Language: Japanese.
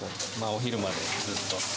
お昼までずっと。